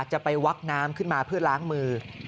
จะไปวักน้ำขึ้นมาเพื่อล้างมือ